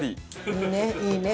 いいねいいね！